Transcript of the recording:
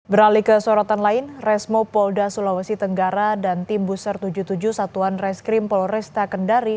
beralih ke sorotan lain resmo polda sulawesi tenggara dan tim booster tujuh puluh tujuh satuan reskrim polresta kendari